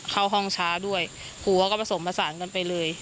เข้าห้องช้าด้วยพูดว่าส่งผสานกันไปเลย